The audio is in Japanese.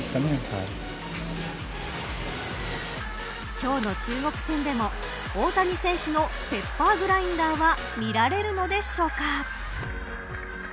今日の中国戦でも大谷選手のペッパーグラインダーは見られるのでしょうか。